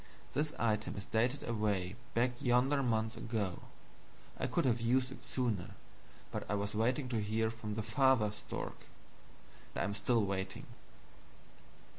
This item is dated away back yonder months ago. I could have used it sooner, but I was waiting to hear from the Father stork. I am still waiting.